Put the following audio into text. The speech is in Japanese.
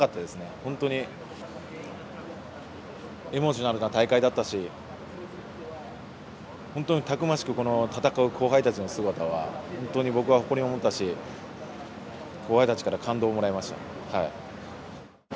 本当にエモーショナルな大会だったし本当に、たくましくこの戦う後輩たちの姿は本当に僕は誇りに思ったし後輩たちから感動をもらいました。